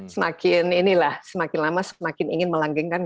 semakin inilah semakin lama semakin ingin melanggengkan